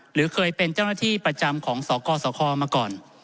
หรือเคยเป็นเจ้าหน้าที่ประจำของสกสคมาก่อน